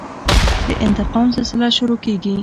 د انتقام سلسله شروع کېږي.